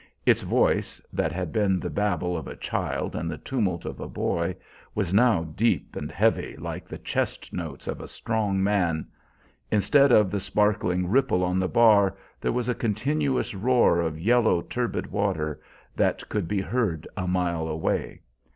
Its voice, that had been the babble of a child and the tumult of a boy, was now deep and heavy like the chest notes of a strong man. Instead of the sparkling ripple on the bar, there was a continuous roar of yellow, turbid water that could be heard a mile away.